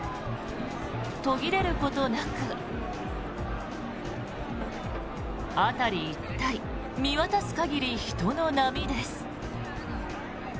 途切れることなく辺り一帯見渡す限り人の波です。